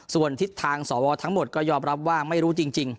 ส่วนทิศทางสวทั้งหมดก็ยอมรับว่าไม่รู้จริง